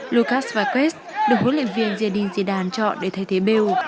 lucas faquest được huấn luyện viên ziedine zidane chọn để thay thế bale